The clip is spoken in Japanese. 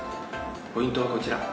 ポイントはこちら。